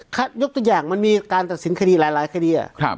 ค่ะยกตัวอย่างมันมีการตัดสินคดีหลายหลายคดีอ่ะครับ